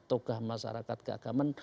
tugas masyarakat keagaman